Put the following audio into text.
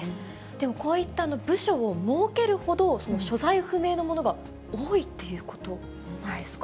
でもこういった部署を設けるほど、所在不明のものが多いっていうことなんですか。